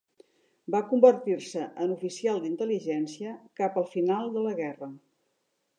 Va convertir-se en oficial d'intel·ligència cap al final de la guerra.